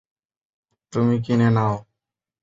তুমি কিনে নাও।